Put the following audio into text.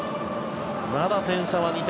まだ点差は２点。